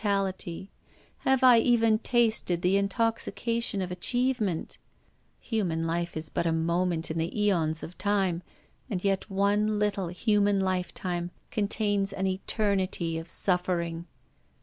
tality, have I even tasted the intoxication of achievement ? Human life is but a moment in the aeons of time, and yet one little human lifetime contains an eternity of suffering.